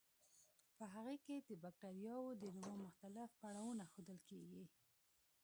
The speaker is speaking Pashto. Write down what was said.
په هغې کې د بکټریاوو د نمو مختلف پړاوونه ښودل کیږي.